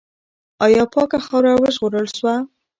آیا پاکه خاوره وژغورل سوه؟